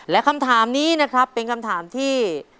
และคำถามนี้นะครับเป็นคำถามที่